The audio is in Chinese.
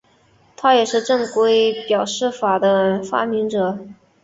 他也是正规表示法的发明者。